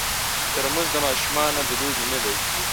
ترموز د ماشومانو د لوبې نه دی.